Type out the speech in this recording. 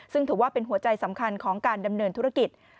ซึ่งถือว่าเป็นหัวใจสำคัญของการดำเนินธุรกิจ